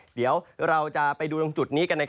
เดี๋ยวเราจะไปดูตรงจุดนี้กัน